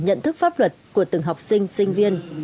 nhận thức pháp luật của từng học sinh sinh viên